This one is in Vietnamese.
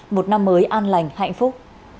một năm mới an lành hạnh phúc